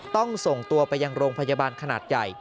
ต้องส่งตัวไปยังโรงพยาบาลขนาดใหญ่